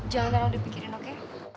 jangan terlalu dipikirin oke